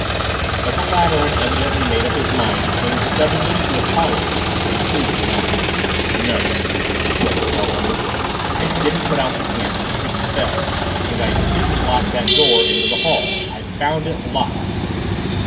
But the latter had evidently made up his mind to cling stubbornly to a policy of complete denial. "No," he said sullenly. "I didn't put out the candle. It fell. And I didn't lock that door into the hall. I found it locked!"